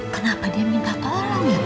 kenapa dia minta tolong ya